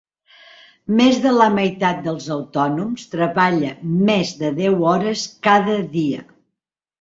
Més de la meitat dels autònoms treballa més de deu hores cada dia